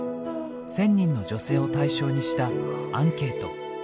１，０００人の女性を対象にしたアンケート。